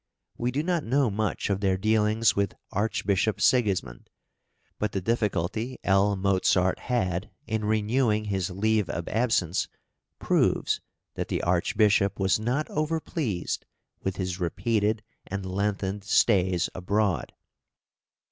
We do not know much of their dealings with Archbishop Sigismund; but the difficulty L. Mozart had in renewing his leave of absence proves that the Archbishop was not overpleased with his repeated and lengthened stays abroad.